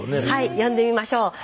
はい呼んでみましょう。